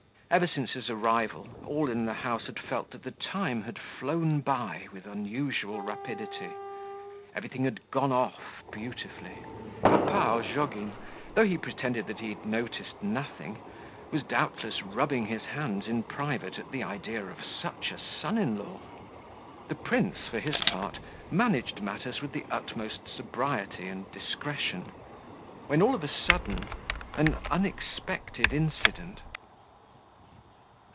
Ever since his arrival, all in the house had felt that the time had flown by with unusual rapidity; everything had gone off beautifully. Papa Ozhogin, though he pretended that he noticed nothing, was doubtless rubbing his hands in private at the idea of such a son in law. The prince, for his part, managed matters with the utmost sobriety and discretion, when, all of a sudden, an unexpected incident....